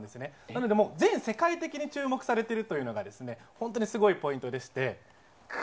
なので、全世界的に注目されているというのが本当にすごいポイントで。